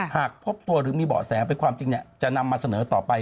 หากพบตัวหรือมีเบาะแสเป็นความจริงจะนำมาเสนอต่อไป